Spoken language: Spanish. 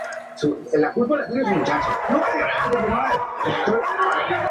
El cargo de dux tiene su origen en la Venecia bizantina.